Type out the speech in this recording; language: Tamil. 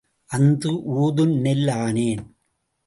அந்து ஊதும் நெல் ஆனேன்.